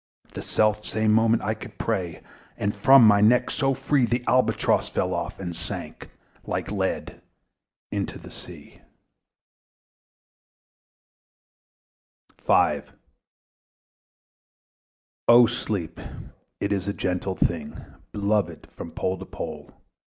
The self same moment I could pray; And from my neck so free The Albatross fell off, and sank Like lead into the sea. PART THE FIFTH. Oh sleep! it is a gentle thing, Beloved from pole to pole!